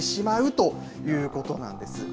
ということなんです。